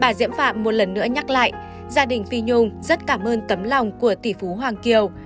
bà diễm phạm một lần nữa nhắc lại gia đình phi nhung rất cảm ơn tấm lòng của tỷ phú hoàng kiều